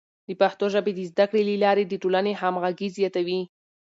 د پښتو ژبې د زده کړې له لارې د ټولنې همغږي زیاتوي.